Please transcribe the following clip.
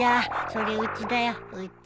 それうちだようち。